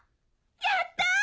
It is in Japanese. やったぁ！